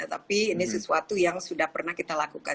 tapi ini sesuatu yang sudah pernah kita lakukan